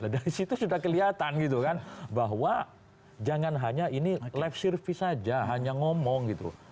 dari situ sudah kelihatan bahwa jangan hanya ini live service saja hanya ngomong